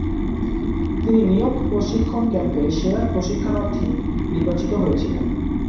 তিনি নিয়োগ প্রশিক্ষণ ক্যাম্পে 'সেরা প্রশিক্ষণার্থী' নির্বাচিত হয়েছিলেন।